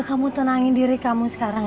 udah kamu tenangin diri kamu sekarang ya